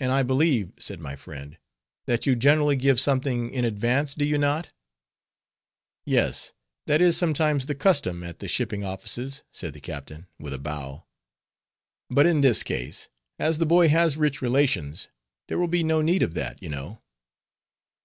"And I believe," said my friend, "that you generally give something in advance, do you not?" "Yes, that is sometimes the custom at the shipping offices," said the captain, with a bow, "but in this case, as the boy has rich relations, there will be no need of that, you know."